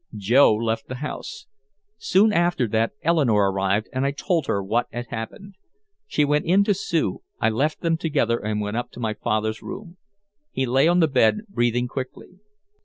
Joe left the house. Soon after that Eleanore arrived and I told her what had happened. She went in to Sue, I left them together and went up to my father's room. He lay on the bed breathing quickly.